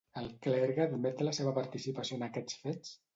El clergue admet la seva participació en aquests fets?